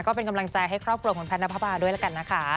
ก็เป็นกำลังใจให้ครอบครัวคุณแพทย์นับภาด้วยละกันนะคะ